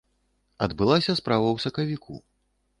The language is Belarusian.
Адбылася справа ў сакавіку.